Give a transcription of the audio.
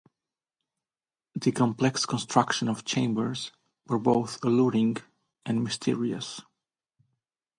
The complex construction of chambers were both alluring and mysterious.